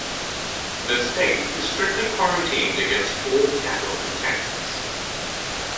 The state is strictly quarantined against all cattle from Texas.